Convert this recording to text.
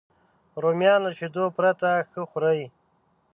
رومیان له شیدو پرته ښه خوري